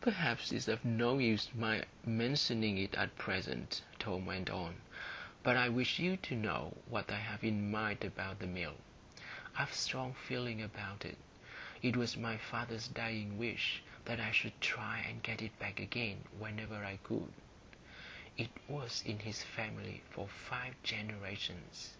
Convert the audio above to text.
"Perhaps it's of no use my mentioning it at present," Tom went on, "but I wish you to know what I have in my mind about the Mill. I've a strong feeling about it. It was my father's dying wish that I should try and get it back again whenever I could; it was in his family for five generations.